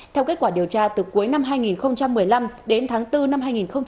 theo kết quả điều tra từ cuối năm hai nghìn một mươi năm đến tháng bốn năm hai nghìn một mươi chín